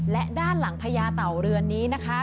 และด้านหลังพญาเต่าเรือนนี้นะคะ